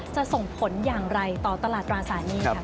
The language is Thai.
ส่งผลอย่างไรต่อตลาดตราสารหนี้ค่ะ